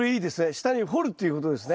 下に掘るっていうことですね。